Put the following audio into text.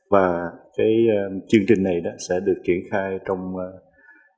và cái chương trình này sẽ được triển khai trong ba năm